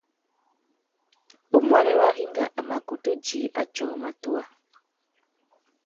Umuênê Waringa a mà kutu djï atsôra matuwa.